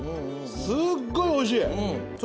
すっごいおいしい！